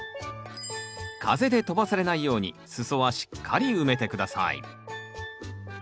風で飛ばされないように裾はしっかり埋めて下さい。